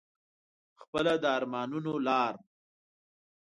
خپله د ارمانونو لار